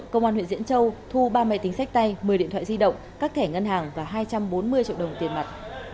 công an huyện diễn châu thu ba máy tính sách tay một mươi điện thoại di động các thẻ ngân hàng và hai trăm bốn mươi triệu đồng tiền mặt